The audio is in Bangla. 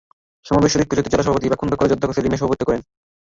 সমাবেশে ঐক্যজোটের জেলা সভাপতি বাখুণ্ডা কলেজের অধ্যক্ষ সেলিম মিয়া সভাপতিত্ব করেন।